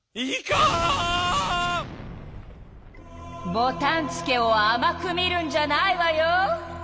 ボタンつけをあまく見るんじゃないわよ！